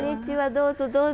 どうぞどうぞ。